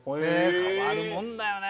変わるもんだよね。